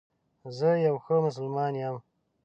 زه یو ښه مسلمان یم